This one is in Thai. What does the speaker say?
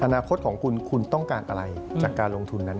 อนาคตของคุณคุณต้องการอะไรจากการลงทุนนั้น